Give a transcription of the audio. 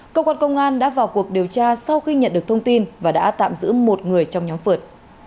cơ quan công an đã vào cuộc điều tra sau khi nhận được thông tin và đã tạm giữ một người trong nhóm phượt